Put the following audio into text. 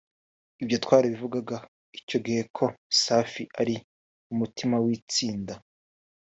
Ibyo twarabivugaga icyo gihe ko Safi ari umutima w’itsinda